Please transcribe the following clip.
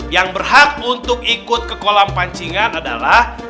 yang berhak untuk ikut ke kolam pancingan adalah